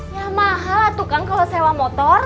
ya mahal tuh kang kalau sewa motor